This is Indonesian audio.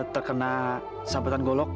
terkena sabatan golok